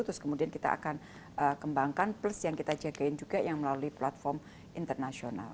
terus kemudian kita akan kembangkan plus yang kita jagain juga yang melalui platform internasional